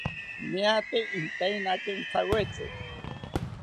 Niataki inteina akenkithawetzi